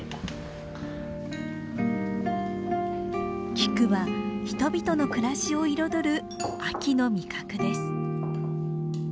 菊は人々の暮らしを彩る秋の味覚です。